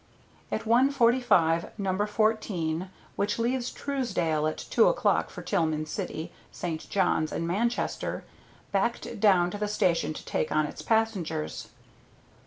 At one forty five No. 14, which leaves Truesdale at two o'clock for Tillman City, St. Johns, and Manchester, backed down to the station to take on its passengers.